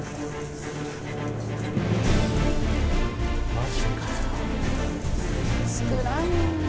マジかよ。